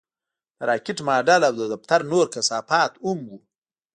د راکټ ماډل او د دفتر نور کثافات هم وو